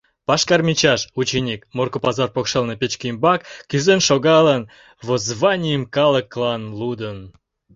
Пашкар Мичаш, ученик, Морко пазар покшелне печке ӱмбак кӱзен шогалын, воззванийым калыклан лудын.